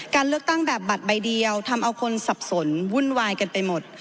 การเลือกตั้งแบบบัตรใบเดียวทำเอาคนสับสนวุ่นวายกันไปหมด